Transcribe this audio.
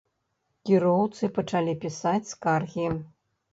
Кіроўцы пачалі пісаць скаргі.